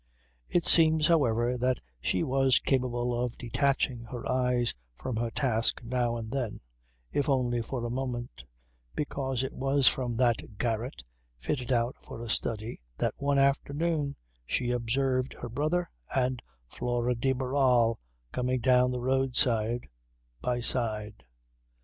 It seems however that she was capable of detaching her eyes from her task now and then, if only for a moment, because it was from that garret fitted out for a study that one afternoon she observed her brother and Flora de Barral coming down the road side by side.